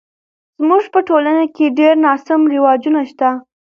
زموږ په ټولنه کې ډیر ناسم رواجونه شته